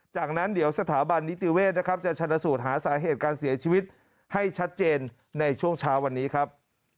จากนั้นเดี๋ยวสถาบันนิติเวศนะครับจะชนะสูตรหาสาเหตุการเสียชีวิตให้ชัดเจนในช่วงเช้าวันนี้ครับ